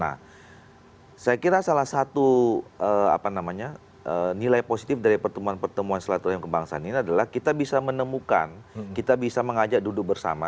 nah saya kira salah satu nilai positif dari pertemuan pertemuan silaturahim kebangsaan ini adalah kita bisa menemukan kita bisa mengajak duduk bersama